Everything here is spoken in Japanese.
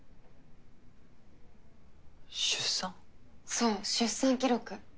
そう出産記録。